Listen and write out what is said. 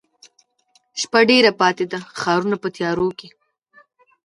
شپه ډېره پاته ده ښارونه په تیاروکې،